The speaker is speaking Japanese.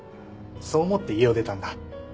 そう思って家を出たんだ。